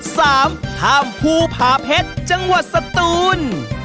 สามข้ามภูผาเพชรจังหวัดสตูน